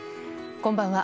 こんばんは。